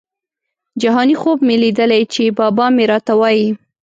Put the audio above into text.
جهاني خوب مي لیدلی چي بابا مي راته وايی